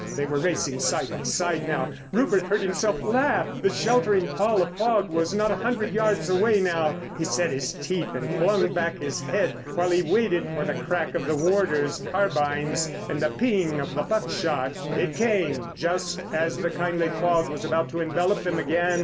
They were racing side by side now. Rupert heard himself laugh. The sheltering pall of fog was not a hundred yards away now. He set his teeth and flung back his head while he waited for the crack of the warders' carbines and the "ping" of the buckshot. It came just as the kindly fog was about to envelop them again.